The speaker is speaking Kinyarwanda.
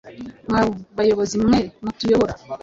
Mwa bayobozi mwe mutuyobora